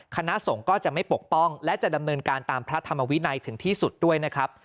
คณะสงฆ์ก็จะไม่ปกป้องและจะดำเนินการตามพระธรรมวินัยถึงที่สุดด้วยนะครับ